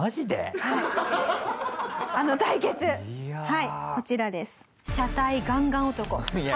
はいこちらです。